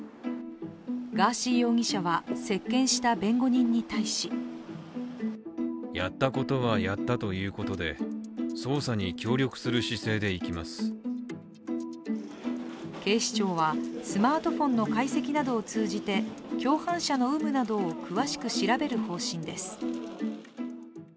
ガーシー容疑者は、接見した弁護人に対し警視庁はスマートフォンの解析などを通じて共犯者の有無などを詳しく調べる方針です。